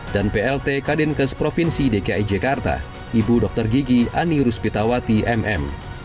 dan plt kadinkes provinsi dki jakarta ibu dr gigi ani ruspitawati mm